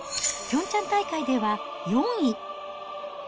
ピョンチャン大会では４位。